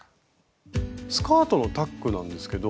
スカートのタックなんですけど。